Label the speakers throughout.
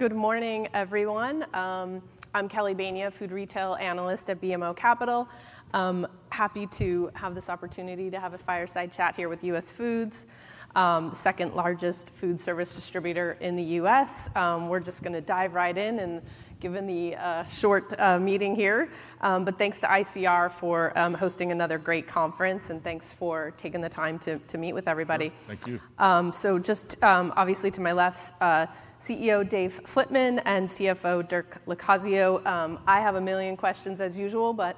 Speaker 1: Good morning, everyone. I'm Kelly Bania, Food Retail Analyst at BMO Capital. Happy to have this opportunity to have a fireside chat here with US Foods, the second largest foodservice distributor in the U.S. We're just going to dive right in, given the short meeting here. But thanks to ICR for hosting another great conference, and thanks for taking the time to meet with everybody.
Speaker 2: Thank you.
Speaker 1: So just, obviously, to my left, CEO Dave Flitman and CFO Dirk Locascio. I have a million questions, as usual, but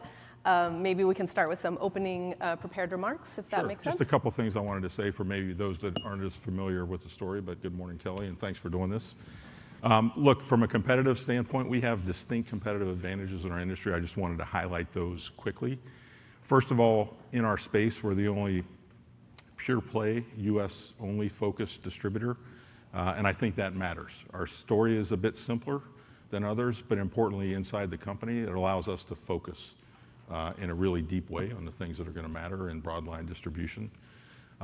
Speaker 1: maybe we can start with some opening prepared remarks, if that makes sense.
Speaker 2: Just a couple of things I wanted to say for maybe those that aren't as familiar with the story. But good morning, Kelly, and thanks for doing this. Look, from a competitive standpoint, we have distinct competitive advantages in our industry. I just wanted to highlight those quickly. First of all, in our space, we're the only pure-play U.S.-only focused distributor, and I think that matters. Our story is a bit simpler than others, but importantly, inside the company, it allows us to focus in a really deep way on the things that are going to matter in broadline distribution.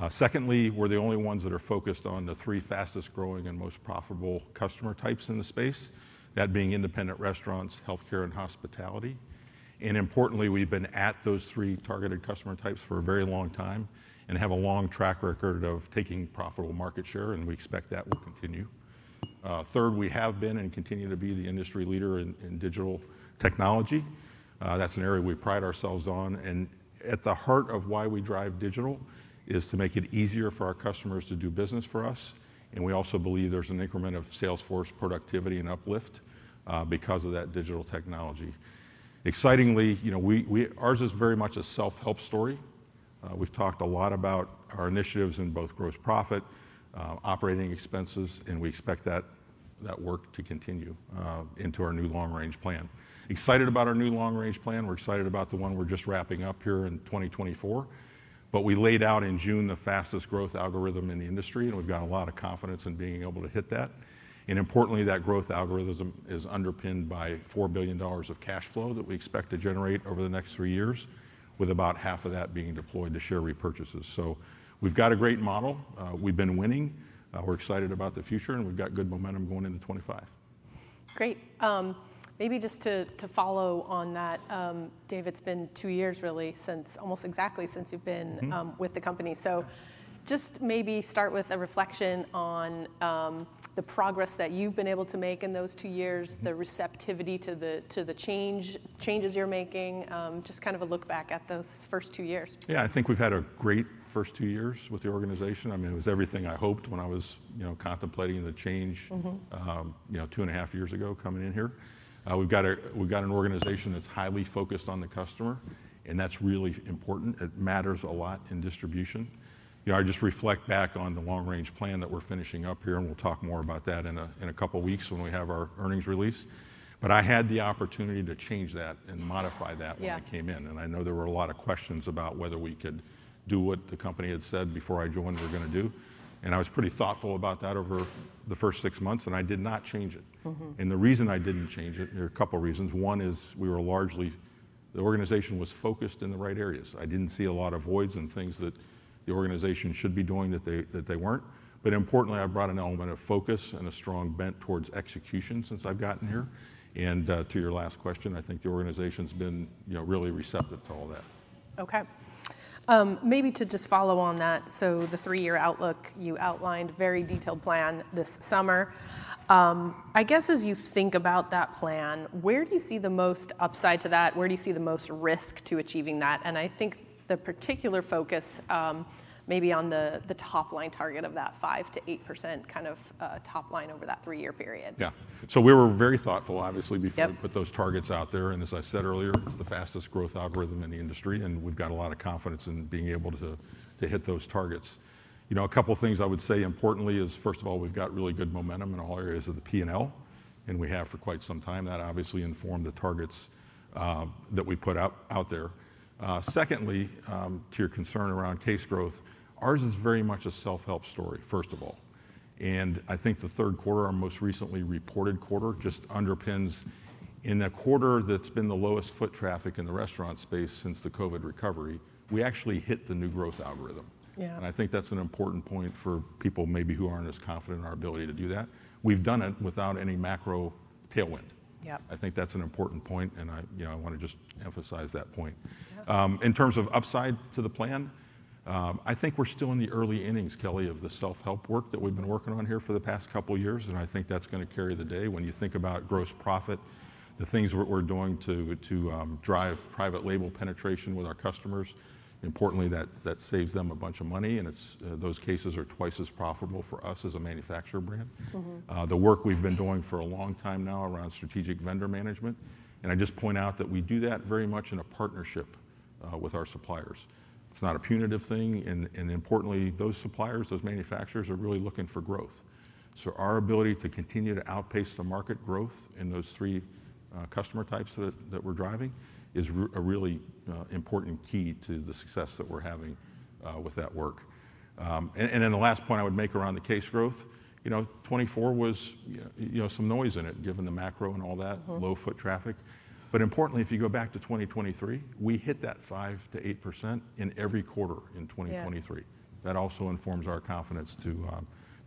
Speaker 2: Secondly, we're the only ones that are focused on the three fastest growing and most profitable customer types in the space, that being independent restaurants, health care, and hospitality. And importantly, we've been at those three targeted customer types for a very long time and have a long track record of taking profitable market share, and we expect that will continue. Third, we have been and continue to be the industry leader in digital technology. That's an area we pride ourselves on. And at the heart of why we drive digital is to make it easier for our customers to do business for us. And we also believe there's an increment of sales force productivity and uplift because of that digital technology. Excitingly, ours is very much a self-help story. We've talked a lot about our initiatives in both gross profit, operating expenses, and we expect that work to continue into our new long-range plan. Excited about our new long-range plan. We're excited about the one we're just wrapping up here in 2024. We laid out in June the fastest growth algorithm in the industry, and we've got a lot of confidence in being able to hit that. Importantly, that growth algorithm is underpinned by $4 billion of cash flow that we expect to generate over the next three years, with about $2 billion of that being deployed to share repurchases. We've got a great model. We've been winning. We're excited about the future, and we've got good momentum going into 2025.
Speaker 1: Great. Maybe just to follow on that, Dave, it's been two years, really, since almost exactly you've been with the company. So just maybe start with a reflection on the progress that you've been able to make in those two years, the receptivity to the changes you're making, just kind of a look back at those first two years.
Speaker 2: Yeah, I think we've had a great first two years with the organization. I mean, it was everything I hoped when I was contemplating the change two and a half years ago coming in here. We've got an organization that's highly focused on the customer, and that's really important. It matters a lot in distribution. I just reflect back on the long-range plan that we're finishing up here, and we'll talk more about that in a couple of weeks when we have our earnings release. But I had the opportunity to change that and modify that when I came in. And I know there were a lot of questions about whether we could do what the company had said before I joined we were going to do. And I was pretty thoughtful about that over the first six months, and I did not change it. And the reason I didn't change it, there are a couple of reasons. One is we were largely the organization was focused in the right areas. I didn't see a lot of voids and things that the organization should be doing that they weren't. But importantly, I brought an element of focus and a strong bent towards execution since I've gotten here. And to your last question, I think the organization's been really receptive to all that.
Speaker 1: OK. Maybe to just follow on that, so the three-year outlook you outlined, very detailed plan this summer. I guess as you think about that plan, where do you see the most upside to that? Where do you see the most risk to achieving that, and I think the particular focus maybe on the top line target of that 5%-8% kind of top line over that three-year period.
Speaker 2: Yeah, so we were very thoughtful, obviously, before we put those targets out there, and as I said earlier, it's the fastest growth algorithm in the industry, and we've got a lot of confidence in being able to hit those targets. A couple of things I would say importantly is, first of all, we've got really good momentum in all areas of the P&L, and we have for quite some time. That obviously informed the targets that we put out there. Secondly, to your concern around case growth, ours is very much a self-help story, first of all, and I think the third quarter, our most recently reported quarter, just underpins. In the quarter that's been the lowest foot traffic in the restaurant space since the COVID recovery, we actually hit the new growth algorithm. And I think that's an important point for people maybe who aren't as confident in our ability to do that. We've done it without any macro tailwind. I think that's an important point, and I want to just emphasize that point. In terms of upside to the plan, I think we're still in the early innings, Kelly, of the self-help work that we've been working on here for the past couple of years. And I think that's going to carry the day. When you think about gross profit, the things that we're doing to drive private label penetration with our customers, importantly, that saves them a bunch of money. And those cases are twice as profitable for us as a manufacturer brand. The work we've been doing for a long time now around strategic vendor management. I just point out that we do that very much in a partnership with our suppliers. It's not a punitive thing. Importantly, those suppliers, those manufacturers are really looking for growth. So our ability to continue to outpace the market growth in those three customer types that we're driving is a really important key to the success that we're having with that work. Then the last point I would make around the case growth, 2024 was some noise in it, given the macro and all that, low foot traffic. But importantly, if you go back to 2023, we hit that 5%-8% in every quarter in 2023. That also informs our confidence to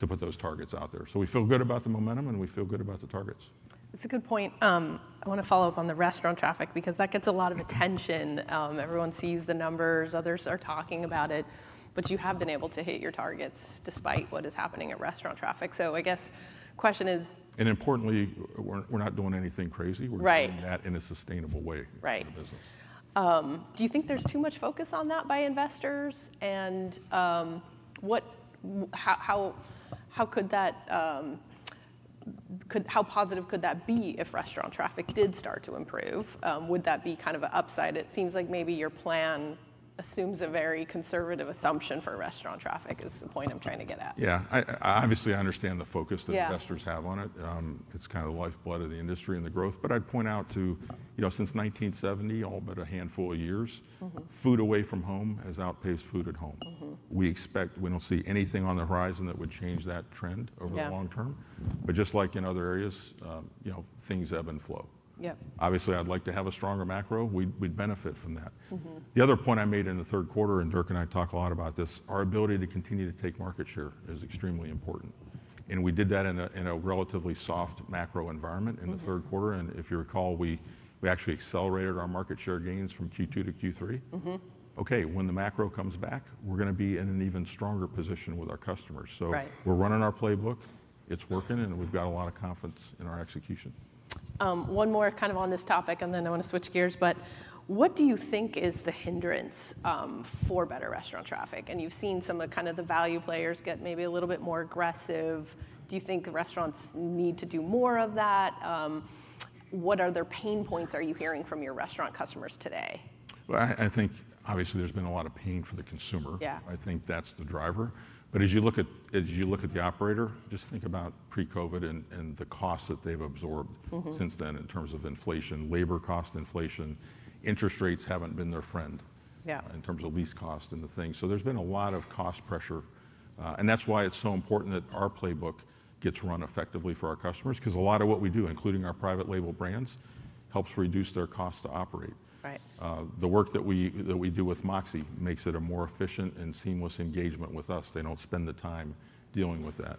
Speaker 2: put those targets out there. We feel good about the momentum, and we feel good about the targets.
Speaker 1: That's a good point. I want to follow up on the restaurant traffic because that gets a lot of attention. Everyone sees the numbers. Others are talking about it. But you have been able to hit your targets despite what is happening at restaurant traffic. So I guess the question is.
Speaker 2: Importantly, we're not doing anything crazy. We're doing that in a sustainable way for the business.
Speaker 1: Do you think there's too much focus on that by investors? And how positive could that be if restaurant traffic did start to improve? Would that be kind of an upside? It seems like maybe your plan assumes a very conservative assumption for restaurant traffic is the point I'm trying to get at.
Speaker 2: Yeah. Obviously, I understand the focus that investors have on it. It's kind of the lifeblood of the industry and the growth. But I'd point out to, since 1970, all but a handful of years, food away from home has outpaced food at home. We expect we don't see anything on the horizon that would change that trend over the long term. But just like in other areas, things ebb and flow. Obviously, I'd like to have a stronger macro. We'd benefit from that. The other point I made in the third quarter, and Dirk and I talk a lot about this, our ability to continue to take market share is extremely important. And we did that in a relatively soft macro environment in the third quarter. And if you recall, we actually accelerated our market share gains from Q2 to Q3. OK, when the macro comes back, we're going to be in an even stronger position with our customers. So we're running our playbook. It's working, and we've got a lot of confidence in our execution.
Speaker 1: One more kind of on this topic, and then I want to switch gears. But what do you think is the hindrance for better restaurant traffic? And you've seen some of kind of the value players get maybe a little bit more aggressive. Do you think the restaurants need to do more of that? What other pain points are you hearing from your restaurant customers today?
Speaker 2: I think, obviously, there's been a lot of pain for the consumer. I think that's the driver. But as you look at the operator, just think about pre-COVID and the costs that they've absorbed since then in terms of inflation, labor cost inflation. Interest rates haven't been their friend in terms of lease cost and the thing. So there's been a lot of cost pressure. And that's why it's so important that our playbook gets run effectively for our customers, because a lot of what we do, including our private label brands, helps reduce their cost to operate. The work that we do with MOXē makes it a more efficient and seamless engagement with us. They don't spend the time dealing with that.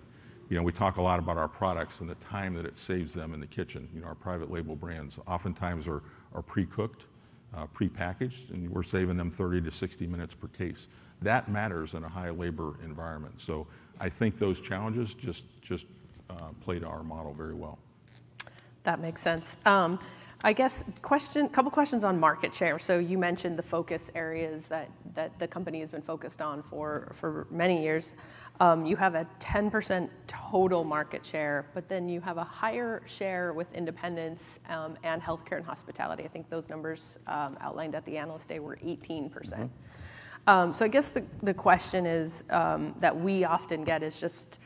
Speaker 2: We talk a lot about our products and the time that it saves them in the kitchen. Our private label brands oftentimes are pre-cooked, pre-packaged, and we're saving them 30-60 minutes per case. That matters in a high labor environment. So I think those challenges just play to our model very well.
Speaker 1: That makes sense. I guess a couple of questions on market share. So you mentioned the focus areas that the company has been focused on for many years. You have a 10% total market share, but then you have a higher share with independents and health care and hospitality. I think those numbers outlined at the Analyst Day were 18%. So I guess the question that we often get is just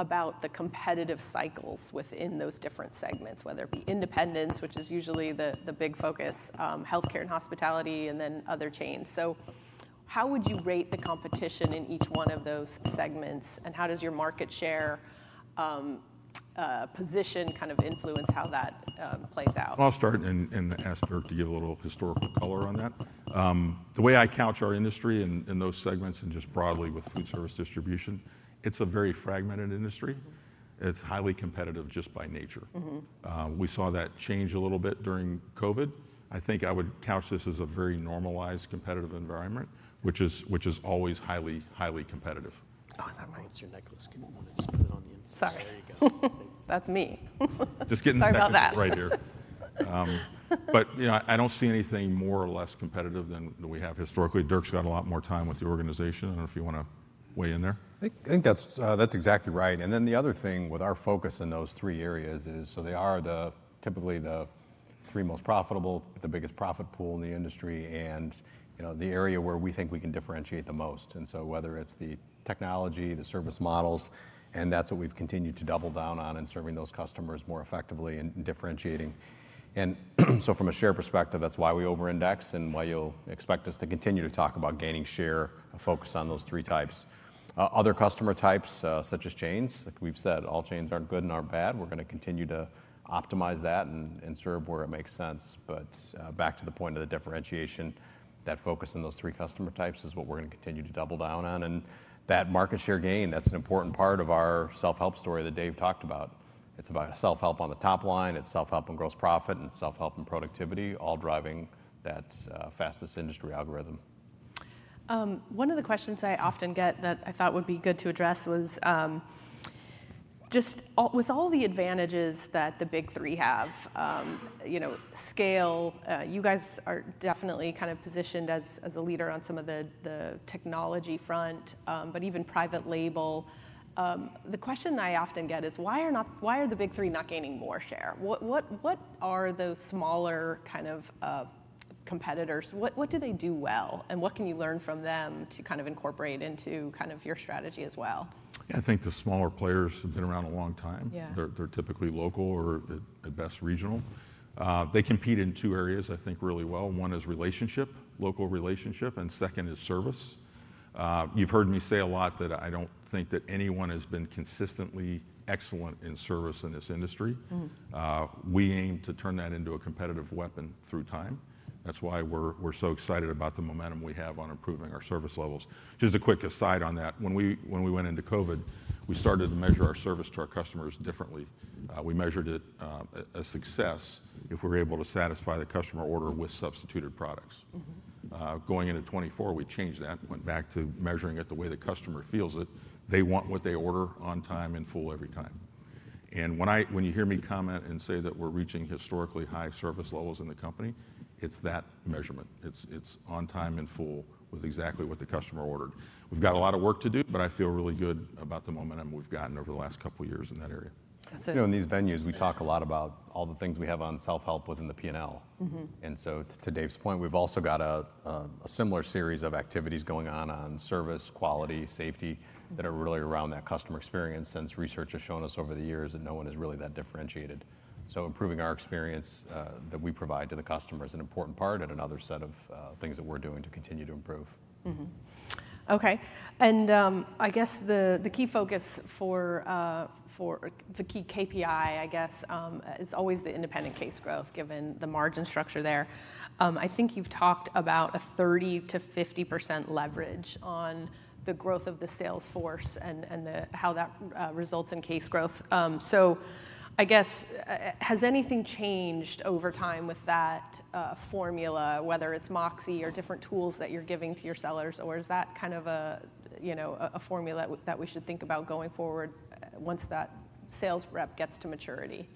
Speaker 1: about the competitive cycles within those different segments, whether it be independents, which is usually the big focus, health care and hospitality, and then other chains. So how would you rate the competition in each one of those segments, and how does your market share position kind of influence how that plays out?
Speaker 2: I'll start and ask Dirk to give a little historical color on that. The way I couch our industry in those segments and just broadly with foodservice distribution, it's a very fragmented industry. It's highly competitive just by nature. We saw that change a little bit during COVID. I think I would couch this as a very normalized competitive environment, which is always highly, highly competitive.
Speaker 3: Oh, Is that my interference necklace? Give me one to just put it on the inside.
Speaker 1: Sorry.
Speaker 3: There you go.
Speaker 1: That's me.
Speaker 3: Just getting that right here.
Speaker 2: But I don't see anything more or less competitive than we have historically. Dirk's got a lot more time with the organization. I don't know if you want to weigh in there?
Speaker 3: I think that's exactly right. And then the other thing with our focus in those three areas is, so they are typically the three most profitable, the biggest profit pool in the industry, and the area where we think we can differentiate the most. And so whether it's the technology, the service models, and that's what we've continued to double down on in serving those customers more effectively and differentiating. And so from a share perspective, that's why we over-index and why you'll expect us to continue to talk about gaining share, a focus on those three types. Other customer types, such as chains, like we've said, all chains aren't good and aren't bad. We're going to continue to optimize that and serve where it makes sense. But back to the point of the differentiation, that focus in those three customer types is what we're going to continue to double down on. And that market share gain, that's an important part of our self-help story that Dave talked about. It's about self-help on the top line. It's self-help and gross profit and self-help and productivity, all driving that fastest industry algorithm.
Speaker 1: One of the questions I often get that I thought would be good to address was just with all the advantages that the Big Three have, scale, you guys are definitely kind of positioned as a leader on some of the technology front, but even private label. The question I often get is, why are the Big Three not gaining more share? What are those smaller kind of competitors? What do they do well, and what can you learn from them to kind of incorporate into kind of your strategy as well?
Speaker 2: Yeah, I think the smaller players have been around a long time. They're typically local or at best regional. They compete in two areas, I think, really well. One is relationship, local relationship, and second is service. You've heard me say a lot that I don't think that anyone has been consistently excellent in service in this industry. We aim to turn that into a competitive weapon through time. That's why we're so excited about the momentum we have on improving our service levels. Just a quick aside on that. When we went into COVID, we started to measure our service to our customers differently. We measured it a success if we were able to satisfy the customer order with substituted products. Going into 2024, we changed that and went back to measuring it the way the customer feels it. They want what they order on time and full every time. When you hear me comment and say that we're reaching historically high service levels in the company, it's that measurement. It's on time and full with exactly what the customer ordered. We've got a lot of work to do, but I feel really good about the momentum we've gotten over the last couple of years in that area.
Speaker 3: And these venues, we talk a lot about all the things we have on self-help within the P&L. And so to Dave's point, we've also got a similar series of activities going on service, quality, safety that are really around that customer experience since research has shown us over the years that no one is really that differentiated. So improving our experience that we provide to the customer is an important part and another set of things that we're doing to continue to improve.
Speaker 1: OK. And I guess the key focus for the key KPI, I guess, is always the independent case growth, given the margin structure there. I think you've talked about a 30%-50% leverage on the growth of the sales force and how that results in case growth. So I guess, has anything changed over time with that formula, whether it's MOXē or different tools that you're giving to your sellers, or is that kind of a formula that we should think about going forward once that sales rep gets to maturity?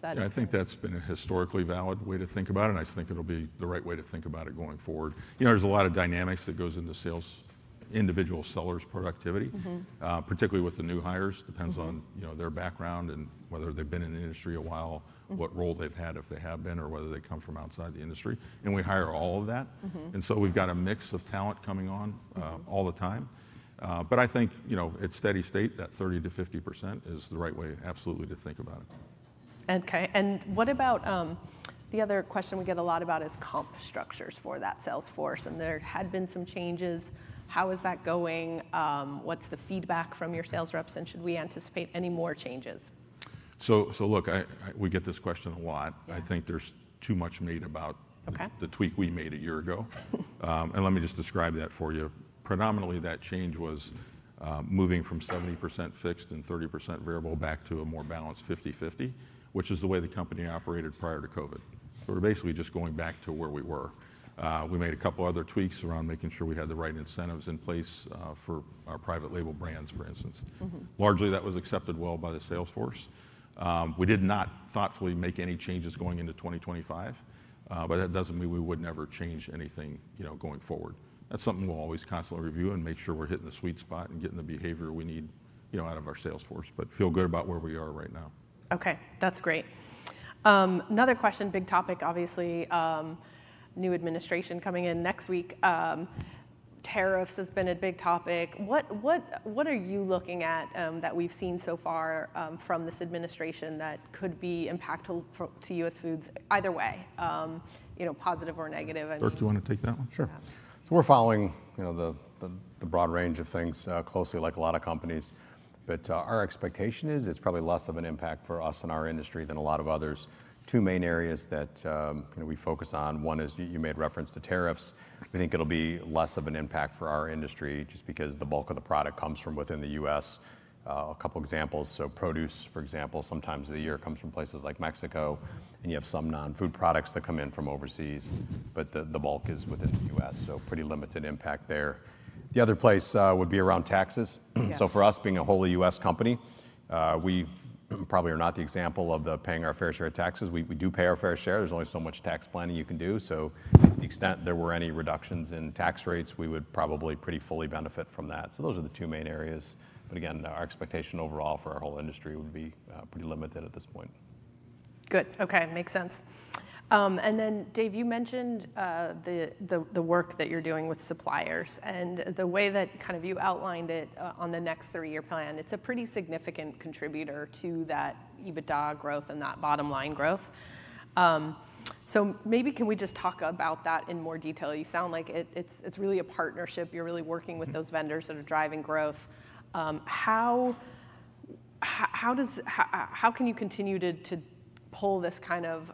Speaker 2: I think that's been a historically valid way to think about it, and I think it'll be the right way to think about it going forward. There's a lot of dynamics that goes into individual sellers' productivity, particularly with the new hires. It depends on their background and whether they've been in the industry a while, what role they've had if they have been, or whether they come from outside the industry. And we hire all of that. And so we've got a mix of talent coming on all the time. But I think it's steady state, that 30%-50% is the right way absolutely to think about it.
Speaker 1: Okay, and what about the other question we get a lot about is comp structures for that sales force, and there had been some changes. How is that going? What's the feedback from your sales reps, and should we anticipate any more changes?
Speaker 2: So look, we get this question a lot. I think there's too much made about the tweak we made a year ago. And let me just describe that for you. Predominantly, that change was moving from 70% fixed and 30% variable back to a more balanced 50/50, which is the way the company operated prior to COVID. So we're basically just going back to where we were. We made a couple of other tweaks around making sure we had the right incentives in place for our private label brands, for instance. Largely, that was accepted well by the sales force. We did not thoughtfully make any changes going into 2025, but that doesn't mean we would never change anything going forward. That's something we'll always constantly review and make sure we're hitting the sweet spot and getting the behavior we need out of our sales force, but feel good about where we are right now.
Speaker 1: OK. That's great. Another question, big topic, obviously. New administration coming in next week. Tariffs has been a big topic. What are you looking at that we've seen so far from this administration that could be impactful to US Foods either way, positive or negative?
Speaker 2: Dirk, do you want to take that one?
Speaker 3: Sure. So we're following the broad range of things closely, like a lot of companies. But our expectation is it's probably less of an impact for us in our industry than a lot of others. Two main areas that we focus on. One is you made reference to tariffs. We think it'll be less of an impact for our industry just because the bulk of the product comes from within the U.S. A couple of examples. So produce, for example, sometimes of the year comes from places like Mexico, and you have some non-food products that come in from overseas. But the bulk is within the U.S., so pretty limited impact there. The other place would be around taxes. So for us, being a wholly U.S. company, we probably are not the example of paying our fair share of taxes. We do pay our fair share. There's only so much tax planning you can do. So to the extent there were any reductions in tax rates, we would probably pretty fully benefit from that. So those are the two main areas. But again, our expectation overall for our whole industry would be pretty limited at this point.
Speaker 1: Good. OK. Makes sense. And then, Dave, you mentioned the work that you're doing with suppliers. And the way that kind of you outlined it on the next three-year plan, it's a pretty significant contributor to that EBITDA growth and that bottom line growth. So maybe can we just talk about that in more detail? You sound like it's really a partnership. You're really working with those vendors that are driving growth. How can you continue to pull this kind of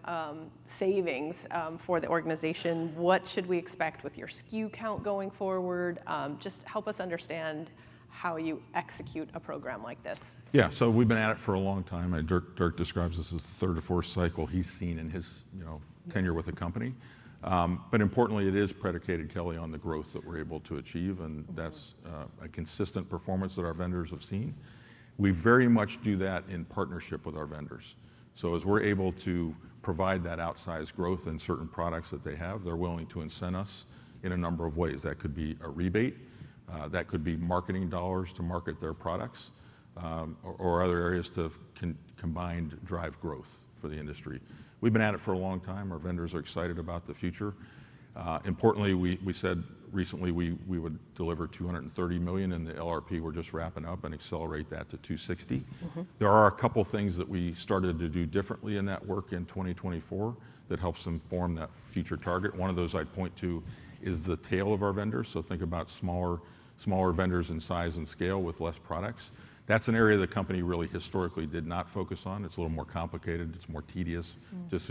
Speaker 1: savings for the organization? What should we expect with your SKU count going forward? Just help us understand how you execute a program like this.
Speaker 2: Yeah. So we've been at it for a long time. Dirk describes this as the third or fourth cycle he's seen in his tenure with the company. But importantly, it is predicated, Kelly, on the growth that we're able to achieve, and that's a consistent performance that our vendors have seen. We very much do that in partnership with our vendors. So as we're able to provide that outsized growth in certain products that they have, they're willing to incent us in a number of ways. That could be a rebate. That could be marketing dollars to market their products or other areas to combined drive growth for the industry. We've been at it for a long time. Our vendors are excited about the future. Importantly, we said recently we would deliver $230 million in the LRP. We're just wrapping up and accelerate that to $260 million. There are a couple of things that we started to do differently in that work in 2024 that helps them form that future target. One of those I'd point to is the tail of our vendors. So think about smaller vendors in size and scale with less products. That's an area the company really historically did not focus on. It's a little more complicated. It's more tedious, just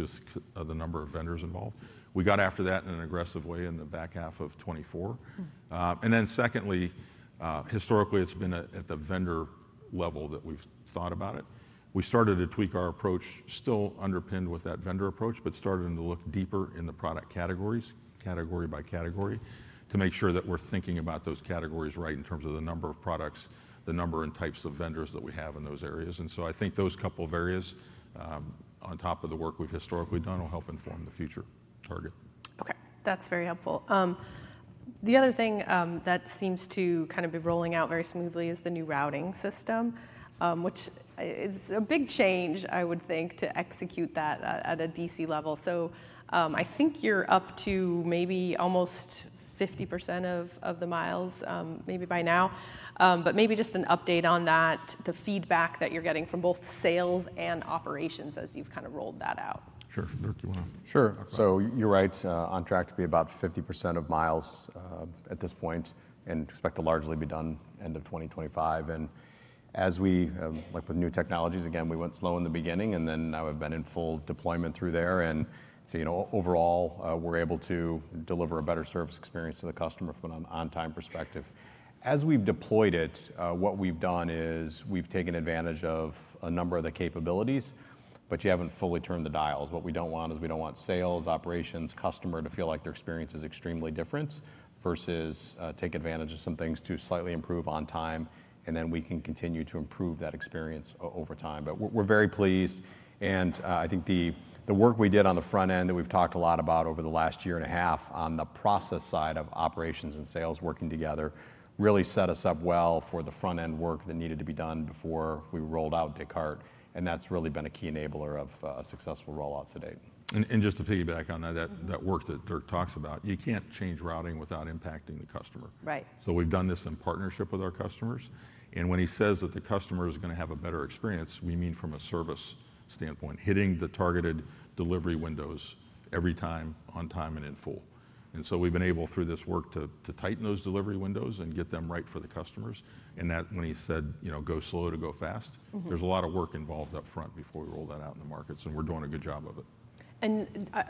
Speaker 2: the number of vendors involved. We got after that in an aggressive way in the back half of 2024. And then secondly, historically, it's been at the vendor level that we've thought about it. We started to tweak our approach, still underpinned with that vendor approach, but started to look deeper in the product categories, category by category, to make sure that we're thinking about those categories right in terms of the number of products, the number and types of vendors that we have in those areas, and so I think those couple of areas, on top of the work we've historically done, will help inform the future target.
Speaker 1: OK. That's very helpful. The other thing that seems to kind of be rolling out very smoothly is the new routing system, which is a big change, I would think, to execute that at a DC level. So I think you're up to maybe almost 50% of the miles maybe by now. But maybe just an update on that, the feedback that you're getting from both sales and operations as you've kind of rolled that out.
Speaker 2: Sure. Dirk, do you want to?
Speaker 3: Sure. So you're right on track to be about 50% of miles at this point and expect to largely be done end of 2025, and as we, like with new technologies, again, we went slow in the beginning, and then now we've been in full deployment through there, and overall, we're able to deliver a better service experience to the customer from an on-time perspective. As we've deployed it, what we've done is we've taken advantage of a number of the capabilities, but you haven't fully turned the dials. What we don't want is we don't want sales, operations, customer to feel like their experience is extremely different versus take advantage of some things to slightly improve on time, and then we can continue to improve that experience over time, but we're very pleased. I think the work we did on the front end that we've talked a lot about over the last year and a half on the process side of operations and sales working together really set us up well for the front end work that needed to be done before we rolled out Descartes, and that's really been a key enabler of a successful rollout to date.
Speaker 2: Just to piggyback on that, that work that Dirk talks about, you can't change routing without impacting the customer. So we've done this in partnership with our customers. When he says that the customer is going to have a better experience, we mean from a service standpoint, hitting the targeted delivery windows every time on time and in full. So we've been able, through this work, to tighten those delivery windows and get them right for the customers. When he said, go slow to go fast, there's a lot of work involved up front before we roll that out in the markets, and we're doing a good job of it.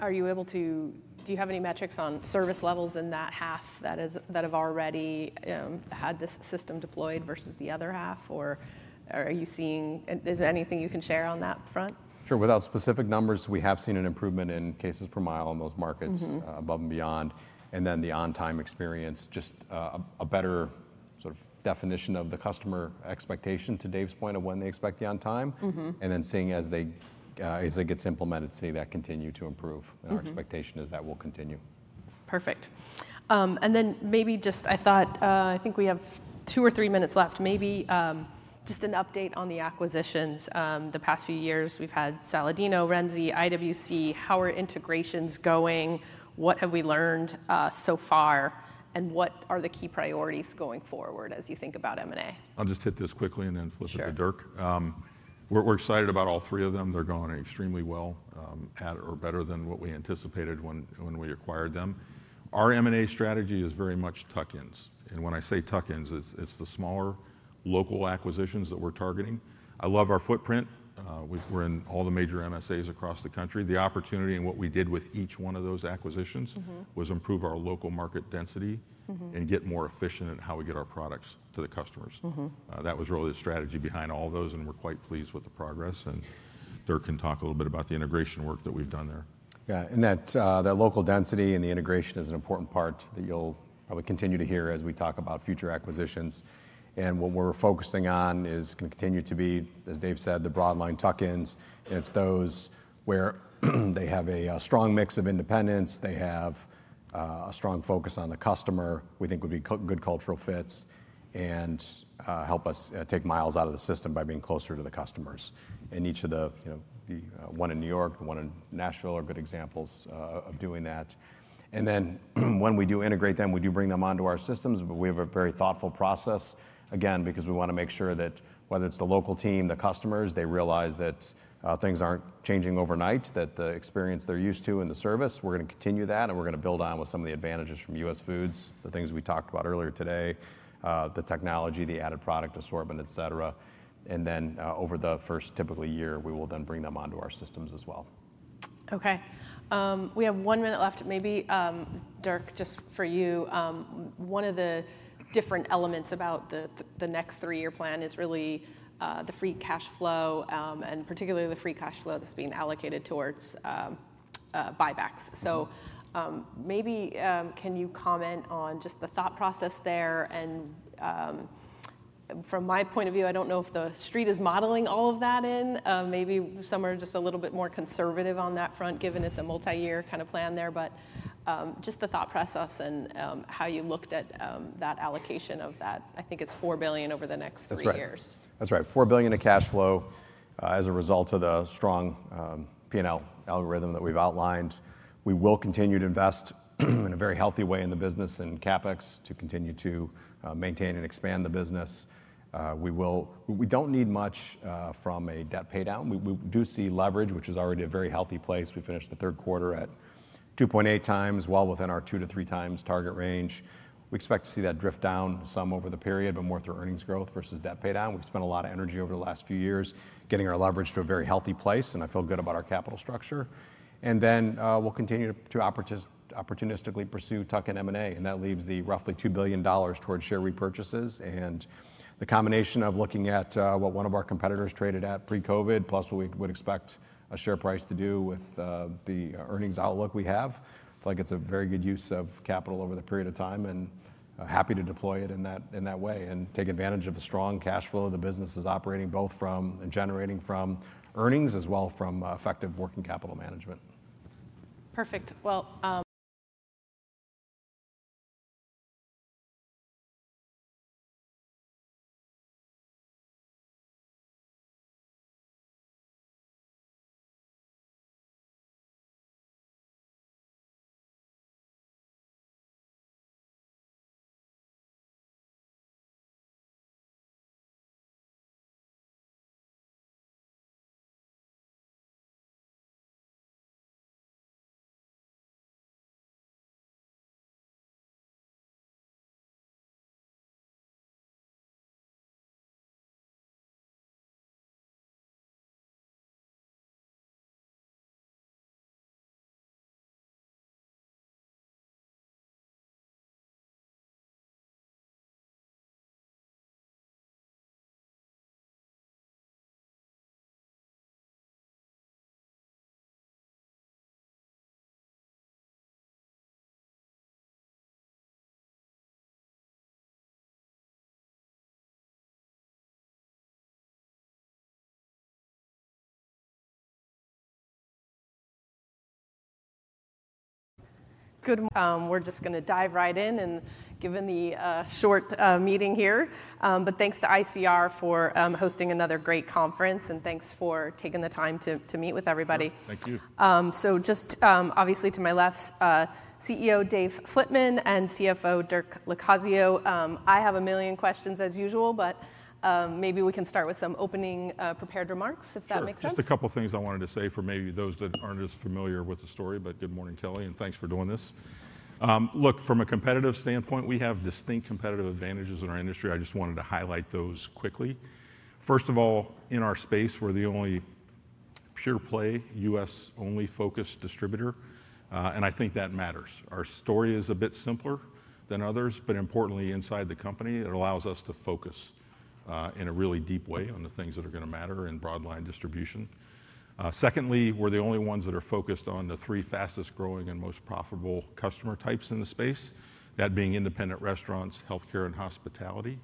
Speaker 1: Are you able to, do you have any metrics on service levels in that half that have already had this system deployed versus the other half? Or are you seeing, is there anything you can share on that front?
Speaker 3: Sure. Without specific numbers, we have seen an improvement in cases per mile in most markets above and beyond. And then the on-time experience, just a better sort of definition of the customer expectation to Dave's point of when they expect the on-time. And then seeing as it gets implemented, see that continue to improve. And our expectation is that will continue.
Speaker 1: Perfect. And then maybe just, I thought, I think we have two or three minutes left. Maybe just an update on the acquisitions. The past few years, we've had Saladino's, Renzi, IWC. How are integrations going? What have we learned so far? And what are the key priorities going forward as you think about M&A?
Speaker 2: I'll just hit this quickly and then flip it to Dirk. We're excited about all three of them. They're going extremely well at or better than what we anticipated when we acquired them. Our M&A strategy is very much tuck-ins, and when I say tuck-ins, it's the smaller local acquisitions that we're targeting. I love our footprint. We're in all the major MSAs across the country. The opportunity in what we did with each one of those acquisitions was improve our local market density and get more efficient in how we get our products to the customers. That was really the strategy behind all those, and we're quite pleased with the progress, and Dirk can talk a little bit about the integration work that we've done there.
Speaker 3: Yeah. And that local density and the integration is an important part that you'll probably continue to hear as we talk about future acquisitions. And what we're focusing on is going to continue to be, as Dave said, the broadline tuck-ins. And it's those where they have a strong mix of independence. They have a strong focus on the customer. We think would be good cultural fits and help us take miles out of the system by being closer to the customers. And each of the one in New York, the one in Nashville are good examples of doing that. And then when we do integrate them, we do bring them onto our systems. But we have a very thoughtful process, again, because we want to make sure that whether it's the local team, the customers, they realize that things aren't changing overnight, that the experience they're used to and the service, we're going to continue that. And we're going to build on with some of the advantages from US Foods, the things we talked about earlier today, the technology, the added product assortment, et cetera. And then over the first typically year, we will then bring them onto our systems as well.
Speaker 1: OK. We have one minute left. Maybe, Dirk, just for you, one of the different elements about the next three-year plan is really the free cash flow and particularly the free cash flow that's being allocated towards buybacks. So maybe can you comment on just the thought process there? And from my point of view, I don't know if the Street is modeling all of that in. Maybe some are just a little bit more conservative on that front, given it's a multi-year kind of plan there. But just the thought process and how you looked at that allocation of that, I think it's $4 billion over the next three years.
Speaker 3: That's right. That's right. $4 billion of cash flow as a result of the strong P&L algorithm that we've outlined. We will continue to invest in a very healthy way in the business and CapEx to continue to maintain and expand the business. We don't need much from a debt paydown. We do see leverage, which is already a very healthy place. We finished the third quarter at 2.8 times, well within our two to three times target range. We expect to see that drift down some over the period, but more through earnings growth versus debt paydown. We've spent a lot of energy over the last few years getting our leverage to a very healthy place, and I feel good about our capital structure. And then we'll continue to opportunistically pursue tuck-in M&A. And that leaves the roughly $2 billion towards share repurchases. The combination of looking at what one of our competitors traded at pre-COVID, plus what we would expect a share price to do with the earnings outlook we have, I feel like it's a very good use of capital over the period of time. Happy to deploy it in that way and take advantage of the strong cash flow the business is operating both from and generating from earnings as well from effective working capital management.
Speaker 1: Perfect. Good. We're just going to dive right in, given the short meeting here. But thanks to ICR for hosting another great conference, and thanks for taking the time to meet with everybody.
Speaker 2: Thank you.
Speaker 1: So just obviously to my left, CEO Dave Flitman and CFO Dirk Locascio. I have a million questions as usual, but maybe we can start with some opening prepared remarks, if that makes sense.
Speaker 2: Just a couple of things I wanted to say for maybe those that aren't as familiar with the story. But good morning, Kelly, and thanks for doing this. Look, from a competitive standpoint, we have distinct competitive advantages in our industry. I just wanted to highlight those quickly. First of all, in our space, we're the only pure-play U.S. only focused distributor. And I think that matters. Our story is a bit simpler than others, but importantly, inside the company, it allows us to focus in a really deep way on the things that are going to matter in broadline distribution. Secondly, we're the only ones that are focused on the three fastest growing and most profitable customer types in the space, that being independent restaurants, health care, and hospitality.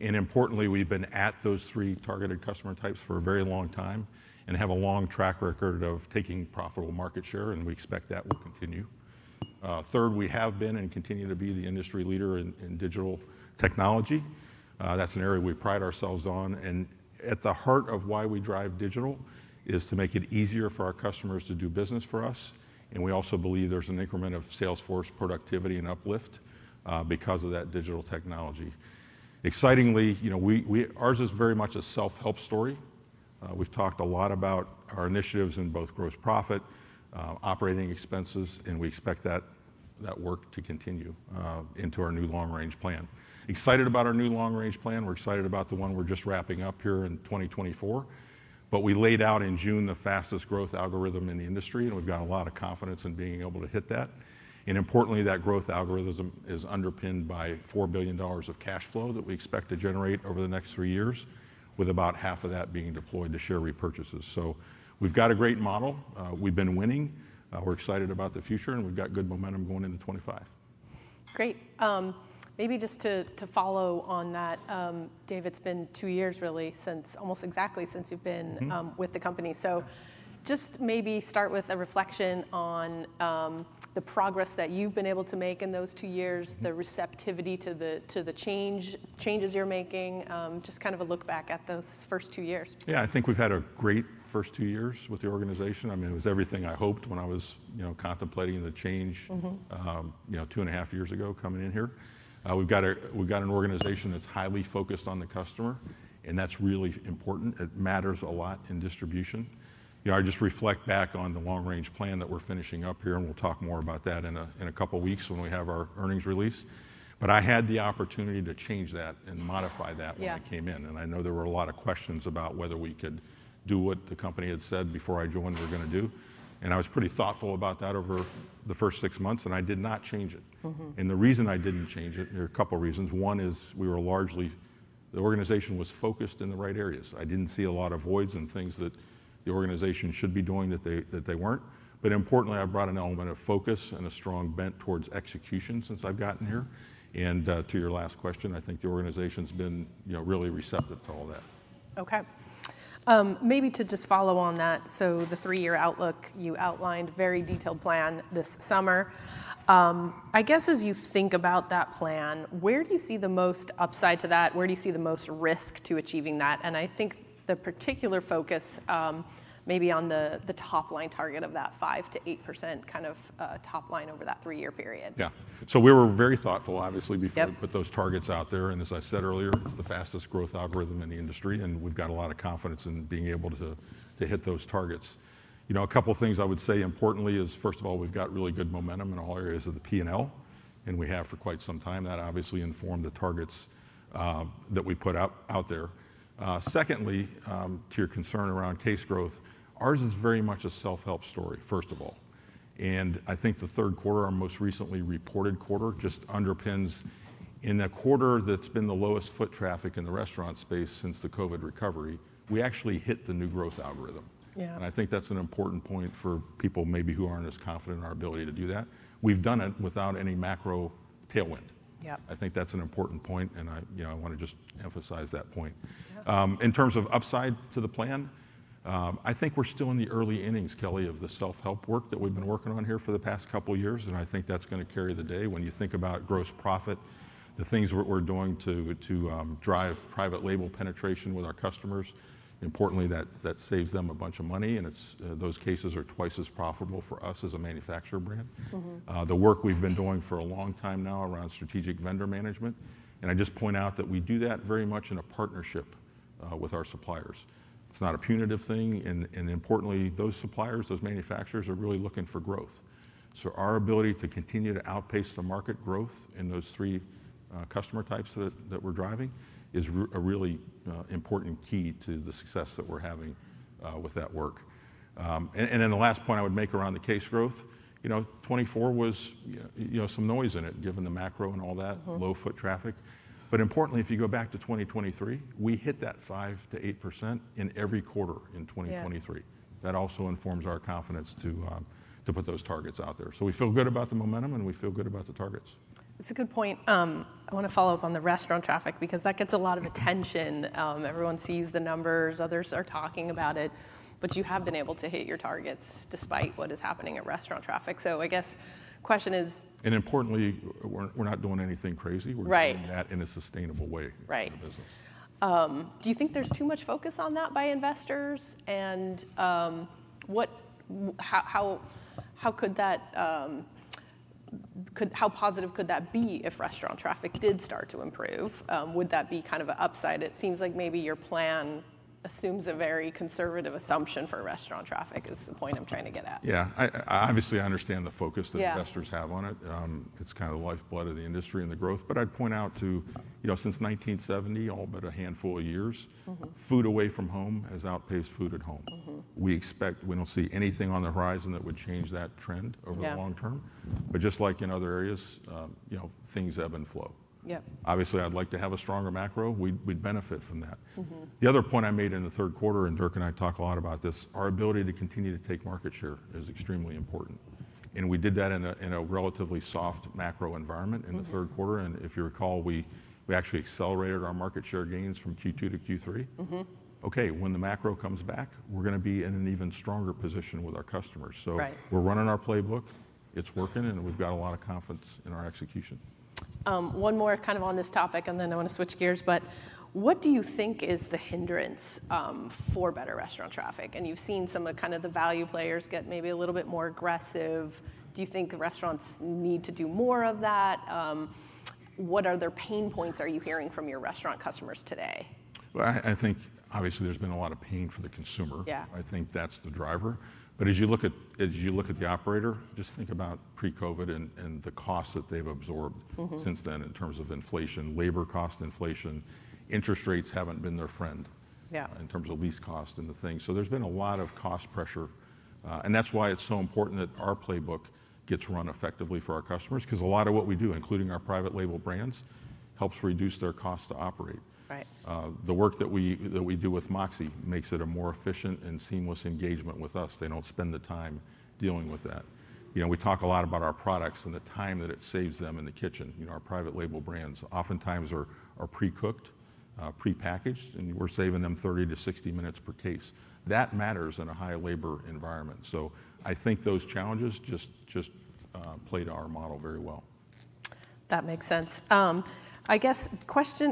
Speaker 2: And importantly, we've been at those three targeted customer types for a very long time and have a long track record of taking profitable market share, and we expect that will continue. Third, we have been and continue to be the industry leader in digital technology. That's an area we pride ourselves on. And at the heart of why we drive digital is to make it easier for our customers to do business for us. And we also believe there's an increment of sales force productivity and uplift because of that digital technology. Excitingly, ours is very much a self-help story. We've talked a lot about our initiatives in both gross profit, operating expenses, and we expect that work to continue into our new long range plan. Excited about our new long range plan. We're excited about the one we're just wrapping up here in 2024. But we laid out in June the fastest growth algorithm in the industry, and we've got a lot of confidence in being able to hit that. And importantly, that growth algorithm is underpinned by $4 billion of cash flow that we expect to generate over the next three years, with about $2 billion being deployed to share repurchases. So we've got a great model. We've been winning. We're excited about the future, and we've got good momentum going into 2025.
Speaker 1: Great. Maybe just to follow on that, Dave, it's been two years really since almost exactly you've been with the company. So just maybe start with a reflection on the progress that you've been able to make in those two years, the receptivity to the changes you're making, just kind of a look back at those first two years.
Speaker 2: Yeah. I think we've had a great first two years with the organization. I mean, it was everything I hoped when I was contemplating the change two and a half years ago coming in here. We've got an organization that's highly focused on the customer, and that's really important. It matters a lot in distribution. I just reflect back on the long range plan that we're finishing up here, and we'll talk more about that in a couple of weeks when we have our earnings release. But I had the opportunity to change that and modify that when I came in. And I know there were a lot of questions about whether we could do what the company had said before I joined we're going to do. And I was pretty thoughtful about that over the first six months, and I did not change it. The reason I didn't change it, there are a couple of reasons. One is we were largely, the organization was focused in the right areas. I didn't see a lot of voids and things that the organization should be doing that they weren't. Importantly, I brought an element of focus and a strong bent towards execution since I've gotten here. To your last question, I think the organization's been really receptive to all that.
Speaker 1: OK. Maybe to just follow on that, so the three-year outlook you outlined, very detailed plan this summer. I guess as you think about that plan, where do you see the most upside to that? Where do you see the most risk to achieving that? And I think the particular focus maybe on the top line target of that 5%-8% kind of top line over that three-year period.
Speaker 2: Yeah. So we were very thoughtful, obviously, before we put those targets out there. And as I said earlier, it's the fastest growth algorithm in the industry, and we've got a lot of confidence in being able to hit those targets. A couple of things I would say importantly is, first of all, we've got really good momentum in all areas of the P&L, and we have for quite some time. That obviously informed the targets that we put out there. Secondly, to your concern around case growth, ours is very much a self-help story, first of all. And I think the third quarter, our most recently reported quarter, just underpins, in the quarter that's been the lowest foot traffic in the restaurant space since the COVID recovery, we actually hit the new growth algorithm. And I think that's an important point for people maybe who aren't as confident in our ability to do that. We've done it without any macro tailwind. I think that's an important point, and I want to just emphasize that point. In terms of upside to the plan, I think we're still in the early innings, Kelly, of the self-help work that we've been working on here for the past couple of years. And I think that's going to carry the day. When you think about gross profit, the things that we're doing to drive private label penetration with our customers, importantly, that saves them a bunch of money. And those cases are twice as profitable for us as a manufacturer brand. The work we've been doing for a long time now around strategic vendor management. And I just point out that we do that very much in a partnership with our suppliers. It's not a punitive thing. And importantly, those suppliers, those manufacturers are really looking for growth. So our ability to continue to outpace the market growth in those three customer types that we're driving is a really important key to the success that we're having with that work. And then the last point I would make around the case growth, 2024 was some noise in it, given the macro and all that, low foot traffic. But importantly, if you go back to 2023, we hit that 5%-8% in every quarter in 2023. That also informs our confidence to put those targets out there. So we feel good about the momentum, and we feel good about the targets.
Speaker 1: That's a good point. I want to follow up on the restaurant traffic because that gets a lot of attention. Everyone sees the numbers. Others are talking about it. But you have been able to hit your targets despite what is happening at restaurant traffic. So I guess the question is.
Speaker 2: Importantly, we're not doing anything crazy. We're doing that in a sustainable way for the business.
Speaker 1: Right. Do you think there's too much focus on that by investors? And how positive could that be if restaurant traffic did start to improve? Would that be kind of an upside? It seems like maybe your plan assumes a very conservative assumption for restaurant traffic is the point I'm trying to get at.
Speaker 2: Yeah. Obviously, I understand the focus that investors have on it. It's kind of the lifeblood of the industry and the growth. But I'd point out too, since 1970, all but a handful of years, food away from home has outpaced food at home. We expect we don't see anything on the horizon that would change that trend over the long term. But just like in other areas, things ebb and flow. Obviously, I'd like to have a stronger macro. We'd benefit from that. The other point I made in the third quarter, and Dirk and I talk a lot about this, our ability to continue to take market share is extremely important. And we did that in a relatively soft macro environment in the third quarter. And if you recall, we actually accelerated our market share gains from Q2 to Q3. OK, when the macro comes back, we're going to be in an even stronger position with our customers. So we're running our playbook. It's working, and we've got a lot of confidence in our execution.
Speaker 1: One more kind of on this topic, and then I want to switch gears. But what do you think is the hindrance for better restaurant traffic? And you've seen some of kind of the value players get maybe a little bit more aggressive. Do you think the restaurants need to do more of that? What are their pain points? Are you hearing from your restaurant customers today?
Speaker 2: Well, I think obviously there's been a lot of pain for the consumer. I think that's the driver. But as you look at the operator, just think about pre-COVID and the costs that they've absorbed since then in terms of inflation, labor cost inflation. Interest rates haven't been their friend in terms of lease cost and the thing. So there's been a lot of cost pressure. And that's why it's so important that our playbook gets run effectively for our customers because a lot of what we do, including our private label brands, helps reduce their cost to operate. The work that we do with MOXē makes it a more efficient and seamless engagement with us. They don't spend the time dealing with that. We talk a lot about our products and the time that it saves them in the kitchen. Our private label brands oftentimes are pre-cooked, pre-packaged, and we're saving them 30 to 60 minutes per case. That matters in a high labor environment. So I think those challenges just play to our model very well.
Speaker 1: That makes sense. I guess a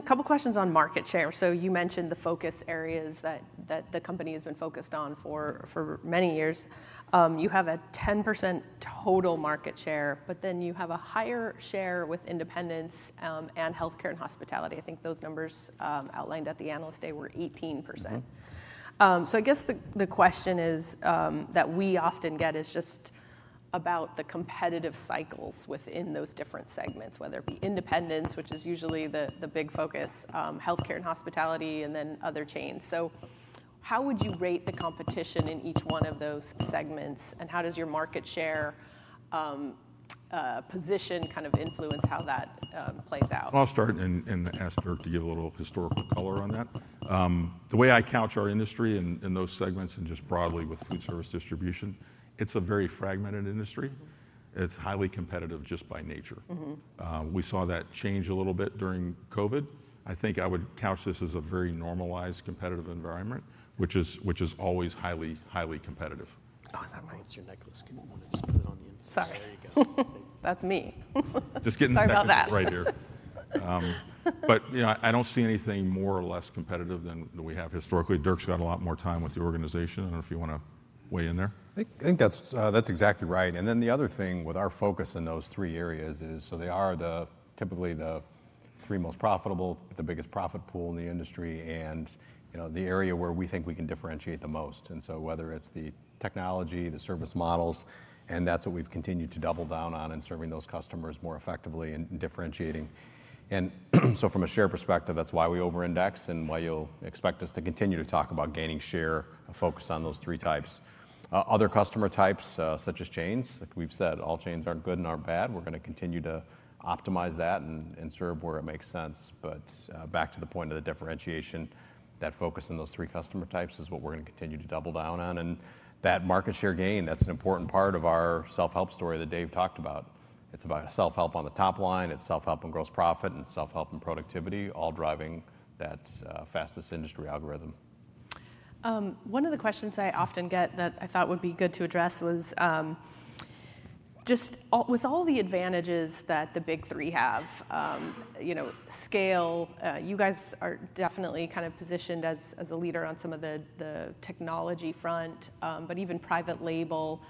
Speaker 1: couple of questions on market share. So you mentioned the focus areas that the company has been focused on for many years. You have a 10% total market share, but then you have a higher share with independents and health care and hospitality. I think those numbers outlined at the analyst day were 18%. So I guess the question that we often get is just about the competitive cycles within those different segments, whether it be independents, which is usually the big focus, health care and hospitality, and then other chains. So how would you rate the competition in each one of those segments? And how does your market share position kind of influence how that plays out?
Speaker 2: I'll start and ask Dirk to give a little historical color on that. The way I couch our industry in those segments and just broadly with foodservice distribution, it's a very fragmented industry. It's highly competitive just by nature. We saw that change a little bit during COVID. I think I would couch this as a very normalized competitive environment, which is always highly, highly competitive.
Speaker 3: Oh, is that my interference?
Speaker 2: It's your necklace. Give me one second. Just put it on the inside.
Speaker 1: Sorry.
Speaker 3: There you go.
Speaker 1: That's me.
Speaker 2: Just getting that right here. But I don't see anything more or less competitive than we have historically. Dirk's got a lot more time with the organization. I don't know if you want to weigh in there?
Speaker 3: I think that's exactly right. And then the other thing with our focus in those three areas is, so they are typically the three most profitable, the biggest profit pool in the industry, and the area where we think we can differentiate the most. And so whether it's the technology, the service models, and that's what we've continued to double down on in serving those customers more effectively and differentiating. And so from a share perspective, that's why we over-index and why you'll expect us to continue to talk about gaining share focus on those three types. Other customer types, such as chains, like we've said, all chains aren't good and aren't bad. We're going to continue to optimize that and serve where it makes sense. But back to the point of the differentiation, that focus in those three customer types is what we're going to continue to double down on. And that market share gain, that's an important part of our self-help story that Dave talked about. It's about self-help on the top line. It's self-help and gross profit and self-help and productivity, all driving that fastest industry algorithm.
Speaker 1: One of the questions I often get that I thought would be good to address was just with all the advantages that the Big Three have, scale, you guys are definitely kind of positioned as a leader on some of the technology front, but even private label.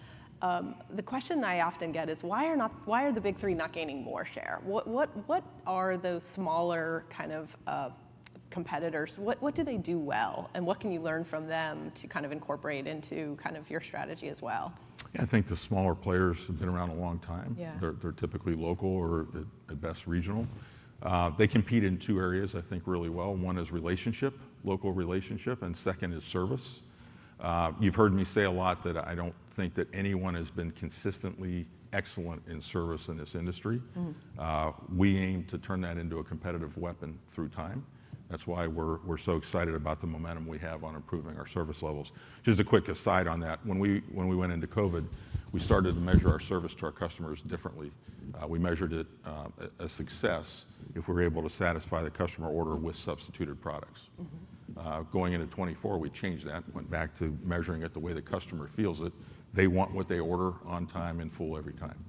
Speaker 1: The question I often get is, why are the Big Three not gaining more share? What are those smaller kind of competitors? What do they do well, and what can you learn from them to kind of incorporate into kind of your strategy as well?
Speaker 2: Yeah. I think the smaller players have been around a long time. They're typically local or at best regional. They compete in two areas, I think, really well. One is relationship, local relationship, and second is service. You've heard me say a lot that I don't think that anyone has been consistently excellent in service in this industry. We aim to turn that into a competitive weapon through time. That's why we're so excited about the momentum we have on improving our service levels. Just a quick aside on that. When we went into COVID, we started to measure our service to our customers differently. We measured it a success if we're able to satisfy the customer order with substituted products. Going into 2024, we changed that, went back to measuring it the way the customer feels it. They want what they order on time and full every time.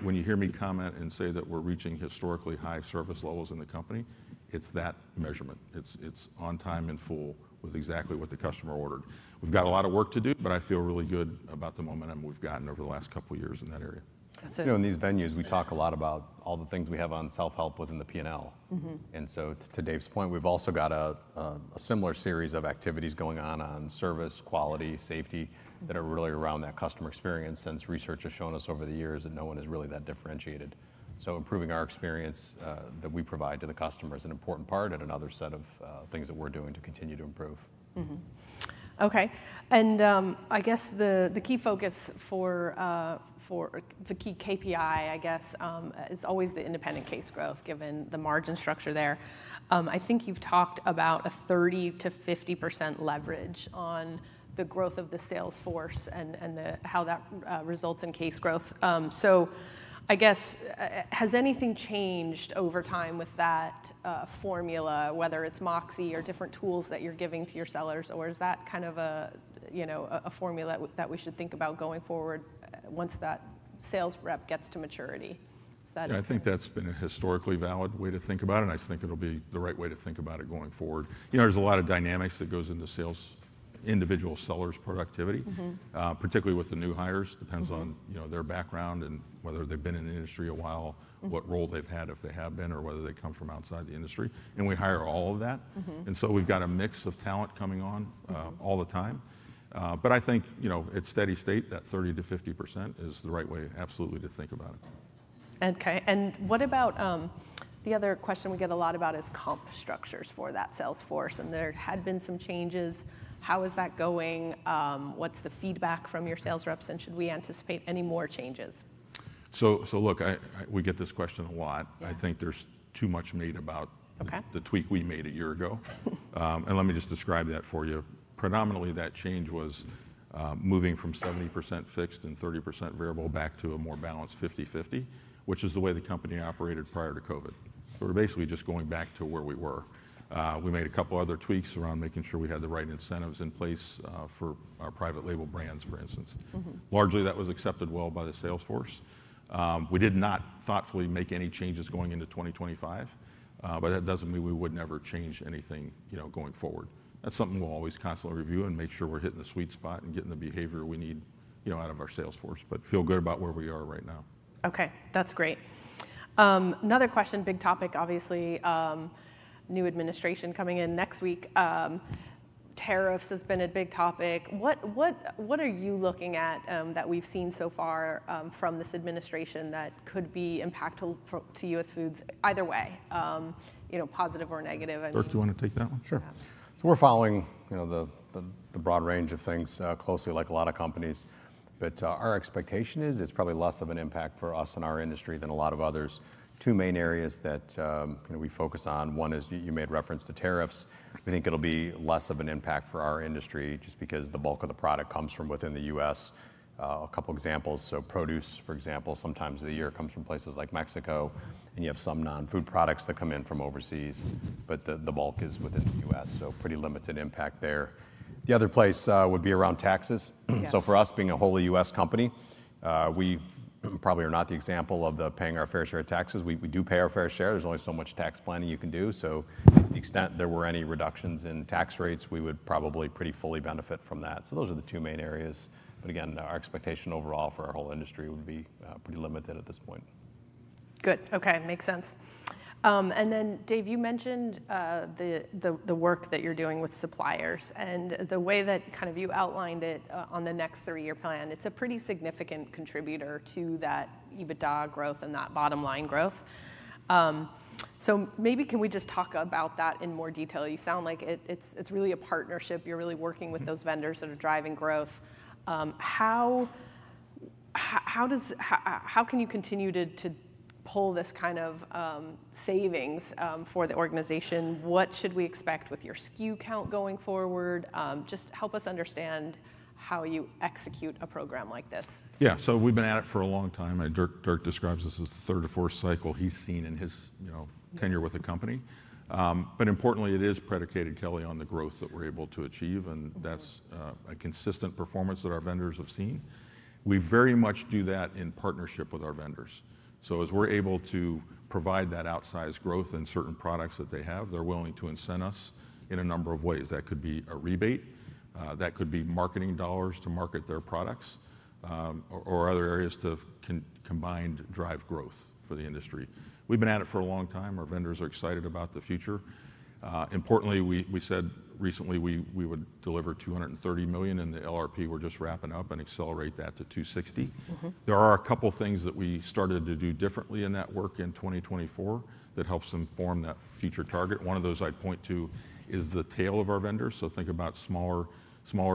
Speaker 2: When you hear me comment and say that we're reaching historically high service levels in the company, it's that measurement. It's on time and full with exactly what the customer ordered. We've got a lot of work to do, but I feel really good about the momentum we've gotten over the last couple of years in that area.
Speaker 3: You know, in these venues, we talk a lot about all the things we have on self-help within the P&L. And so to Dave's point, we've also got a similar series of activities going on on service, quality, safety that are really around that customer experience since research has shown us over the years that no one is really that differentiated. So improving our experience that we provide to the customer is an important part and another set of things that we're doing to continue to improve.
Speaker 1: OK. And I guess the key focus for the key KPI, I guess, is always the independent case growth, given the margin structure there. I think you've talked about a 30%-50% leverage on the growth of the sales force and how that results in case growth. So I guess, has anything changed over time with that formula, whether it's MOXē or different tools that you're giving to your sellers, or is that kind of a formula that we should think about going forward once that sales rep gets to maturity?
Speaker 2: Yeah. I think that's been a historically valid way to think about it. And I think it'll be the right way to think about it going forward. There's a lot of dynamics that goes into individual sellers' productivity, particularly with the new hires. Depends on their background and whether they've been in the industry a while, what role they've had if they have been, or whether they come from outside the industry. And we hire all of that. And so we've got a mix of talent coming on all the time. But I think at steady state, that 30%-50% is the right way absolutely to think about it.
Speaker 1: OK. And what about the other question we get a lot about is comp structures for that sales force. And there had been some changes. How is that going? What's the feedback from your sales reps? And should we anticipate any more changes?
Speaker 2: So look, we get this question a lot. I think there's too much made about the tweak we made a year ago. And let me just describe that for you. Predominantly, that change was moving from 70% fixed and 30% variable back to a more balanced 50/50, which is the way the company operated prior to COVID. So we're basically just going back to where we were. We made a couple of other tweaks around making sure we had the right incentives in place for our private label brands, for instance. Largely, that was accepted well by the sales force. We did not thoughtfully make any changes going into 2025, but that doesn't mean we would never change anything going forward. That's something we'll always constantly review and make sure we're hitting the sweet spot and getting the behavior we need out of our sales force, but feel good about where we are right now.
Speaker 1: OK. That's great. Another question, big topic, obviously. New administration coming in next week. Tariffs has been a big topic. What are you looking at that we've seen so far from this administration that could be impactful to US Foods either way, positive or negative?
Speaker 2: Dirk, do you want to take that one?
Speaker 3: Sure. So we're following the broad range of things closely, like a lot of companies. But our expectation is it's probably less of an impact for us in our industry than a lot of others. Two main areas that we focus on. One is you made reference to tariffs. We think it'll be less of an impact for our industry just because the bulk of the product comes from within the U.S. A couple of examples. So produce, for example, some times of the year comes from places like Mexico, and you have some non-food products that come in from overseas. But the bulk is within the U.S., so pretty limited impact there. The other place would be around taxes. So for us, being a wholly U.S. company, we probably are not the example of paying our fair share of taxes. We do pay our fair share. There's only so much tax planning you can do. So to the extent there were any reductions in tax rates, we would probably pretty fully benefit from that. So those are the two main areas. But again, our expectation overall for our whole industry would be pretty limited at this point.
Speaker 1: Good. OK. Makes sense. And then, Dave, you mentioned the work that you're doing with suppliers. And the way that kind of you outlined it on the next three-year plan, it's a pretty significant contributor to that EBITDA growth and that bottom line growth. So maybe can we just talk about that in more detail? You sound like it's really a partnership. You're really working with those vendors that are driving growth. How can you continue to pull this kind of savings for the organization? What should we expect with your SKU count going forward? Just help us understand how you execute a program like this.
Speaker 2: Yeah. So we've been at it for a long time. Dirk describes this as the third or fourth cycle he's seen in his tenure with the company. But importantly, it is predicated, Kelly, on the growth that we're able to achieve. And that's a consistent performance that our vendors have seen. We very much do that in partnership with our vendors. So as we're able to provide that outsized growth in certain products that they have, they're willing to incent us in a number of ways. That could be a rebate. That could be marketing dollars to market their products or other areas to combine to drive growth for the industry. We've been at it for a long time. Our vendors are excited about the future. Importantly, we said recently we would deliver $230 million, and the LRP we're just wrapping up and accelerate that to $260 million. There are a couple of things that we started to do differently in that work in 2024 that helps them form that future target. One of those I'd point to is the tail of our vendors. So think about smaller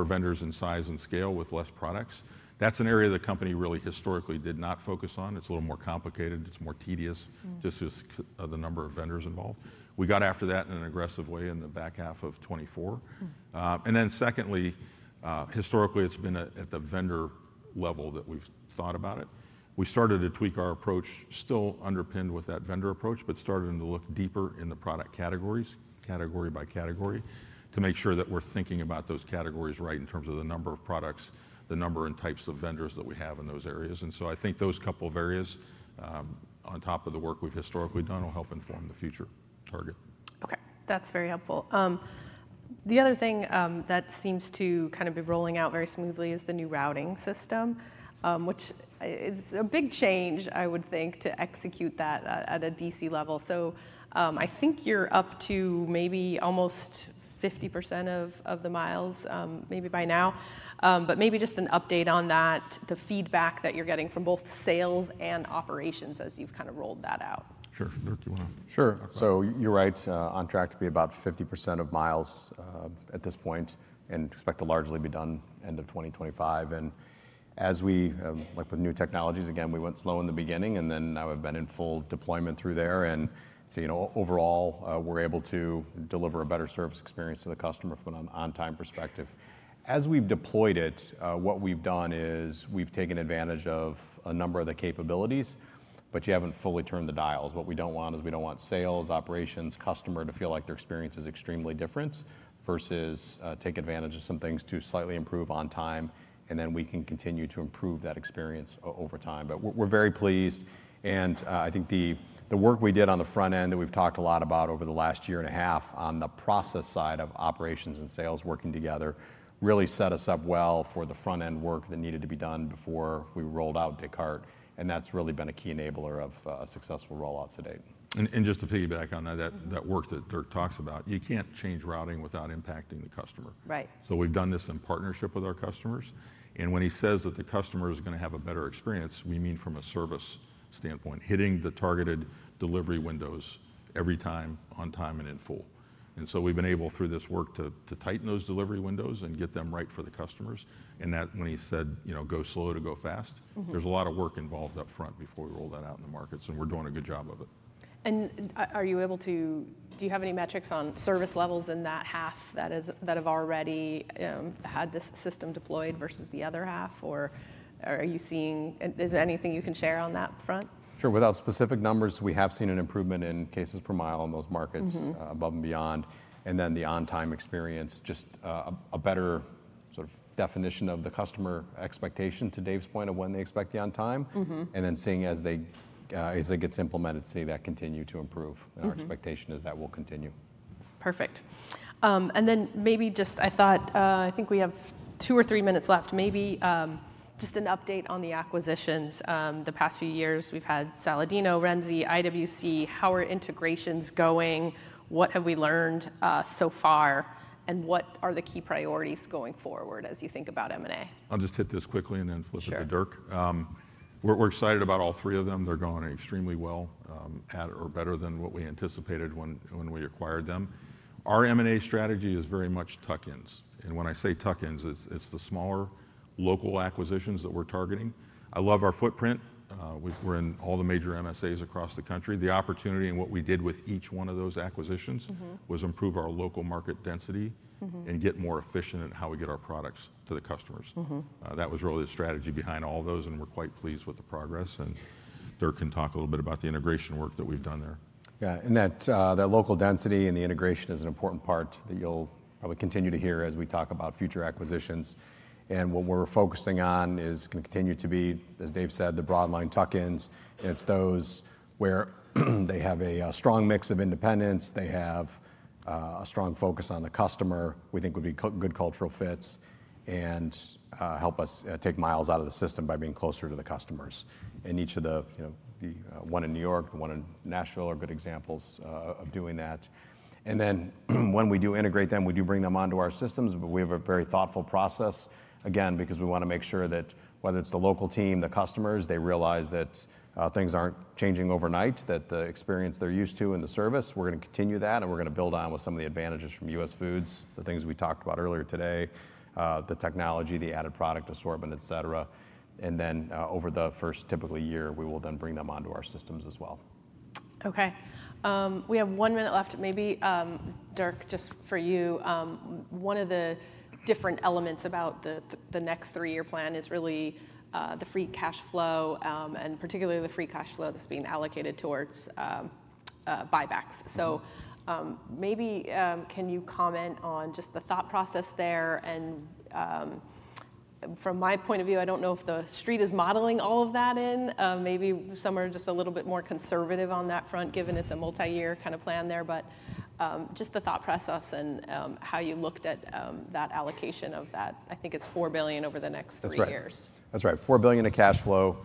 Speaker 2: vendors in size and scale with less products. That's an area the company really historically did not focus on. It's a little more complicated. It's more tedious just with the number of vendors involved. We got after that in an aggressive way in the back half of 2024, and then secondly, historically, it's been at the vendor level that we've thought about it. We started to tweak our approach, still underpinned with that vendor approach, but started to look deeper in the product categories, category by category, to make sure that we're thinking about those categories right in terms of the number of products, the number and types of vendors that we have in those areas, and so I think those couple of areas on top of the work we've historically done will help inform the future target.
Speaker 1: OK. That's very helpful. The other thing that seems to kind of be rolling out very smoothly is the new routing system, which is a big change, I would think, to execute that at a DC level. So I think you're up to maybe almost 50% of the miles maybe by now. But maybe just an update on that, the feedback that you're getting from both sales and operations as you've kind of rolled that out.
Speaker 2: Sure. Dirk, do you want to?
Speaker 3: Sure. So you're right on track to be about 50% of miles at this point and expect to largely be done end of 2025. And as we, like with new technologies, again, we went slow in the beginning, and then now we've been in full deployment through there. And overall, we're able to deliver a better service experience to the customer from an on-time perspective. As we've deployed it, what we've done is we've taken advantage of a number of the capabilities, but you haven't fully turned the dials. What we don't want is we don't want sales, operations, customer to feel like their experience is extremely different versus take advantage of some things to slightly improve on time, and then we can continue to improve that experience over time. But we're very pleased. I think the work we did on the front end that we've talked a lot about over the last year and a half on the process side of operations and sales working together really set us up well for the front-end work that needed to be done before we rolled out Descartes. That's really been a key enabler of a successful rollout to date.
Speaker 2: And just to piggyback on that, that work that Dirk talks about, you can't change routing without impacting the customer. So we've done this in partnership with our customers. And when he says that the customer is going to have a better experience, we mean from a service standpoint, hitting the targeted delivery windows every time on time and in full. And so we've been able through this work to tighten those delivery windows and get them right for the customers. And that when he said go slow to go fast, there's a lot of work involved up front before we roll that out in the markets. And we're doing a good job of it.
Speaker 1: Are you able to, do you have any metrics on service levels in that half that have already had this system deployed versus the other half? Or are you seeing, is there anything you can share on that front?
Speaker 3: Sure. Without specific numbers, we have seen an improvement in cases per mile in those markets above and beyond. And then the on-time experience, just a better sort of definition of the customer expectation to Dave's point of when they expect the on-time. And then seeing as it gets implemented, see that continue to improve. And our expectation is that will continue.
Speaker 1: Perfect. And then maybe just, I thought, I think we have two or three minutes left. Maybe just an update on the acquisitions. The past few years, we've had Saladino's, Renzi, IWC. How are integrations going? What have we learned so far? And what are the key priorities going forward as you think about M&A?
Speaker 2: I'll just hit this quickly and then flip it to Dirk. We're excited about all three of them. They're going extremely well at or better than what we anticipated when we acquired them. Our M&A strategy is very much tuck-ins. And when I say tuck-ins, it's the smaller local acquisitions that we're targeting. I love our footprint. We're in all the major MSAs across the country. The opportunity in what we did with each one of those acquisitions was improve our local market density and get more efficient in how we get our products to the customers. That was really the strategy behind all those. And we're quite pleased with the progress. And Dirk can talk a little bit about the integration work that we've done there.
Speaker 3: Yeah. And that local density and the integration is an important part that you'll probably continue to hear as we talk about future acquisitions. And what we're focusing on is going to continue to be, as Dave said, the broadline tuck-ins. And it's those where they have a strong mix of independents. They have a strong focus on the customer. We think would be good cultural fits and help us take miles out of the system by being closer to the customers. And each of the one in New York, the one in Nashville are good examples of doing that. And then when we do integrate them, we do bring them onto our systems. But we have a very thoughtful process, again, because we want to make sure that whether it's the local team, the customers, they realize that things aren't changing overnight, that the experience they're used to and the service, we're going to continue that. And we're going to build on with some of the advantages from US Foods, the things we talked about earlier today, the technology, the added product assortment, et cetera. And then over the first typically year, we will then bring them onto our systems as well.
Speaker 1: OK. We have one minute left. Maybe, Dirk, just for you, one of the different elements about the next three-year plan is really the free cash flow and particularly the free cash flow that's being allocated towards buybacks. So maybe can you comment on just the thought process there, and from my point of view, I don't know if the Street is modeling all of that in. Maybe some are just a little bit more conservative on that front, given it's a multi-year kind of plan there, but just the thought process and how you looked at that allocation of that, I think it's $4 billion over the next three years.
Speaker 3: That's right. $4 billion of cash flow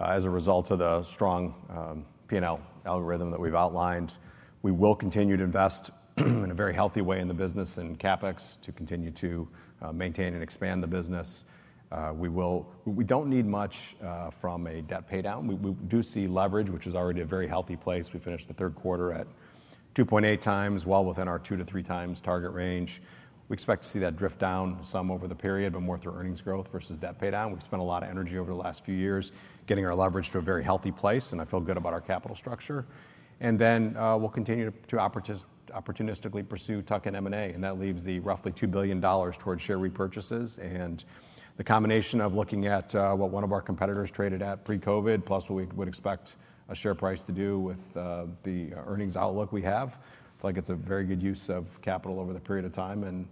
Speaker 3: as a result of the strong P&L algorithm that we've outlined. We will continue to invest in a very healthy way in the business and CapEx to continue to maintain and expand the business. We don't need much from a debt paydown. We do see leverage, which is already a very healthy place. We finished the third quarter at 2.8 times, well within our two to three times target range. We expect to see that drift down some over the period, but more through earnings growth versus debt paydown. We've spent a lot of energy over the last few years getting our leverage to a very healthy place, and I feel good about our capital structure, and then we'll continue to opportunistically pursue tuck-in M&A. And that leaves the roughly $2 billion towards share repurchases. The combination of looking at what one of our competitors traded at pre-COVID, plus what we would expect a share price to do with the earnings outlook we have, I feel like it's a very good use of capital over the period of time.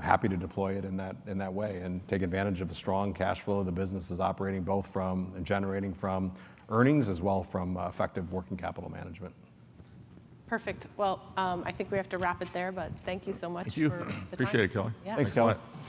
Speaker 3: Happy to deploy it in that way and take advantage of the strong cash flow the business is operating both from and generating from earnings as well from effective working capital management.
Speaker 1: Perfect. Well, I think we have to wrap it there. But thank you so much for the time.
Speaker 2: Thank you. Appreciate it, Kelly.
Speaker 3: Thanks, Kelly.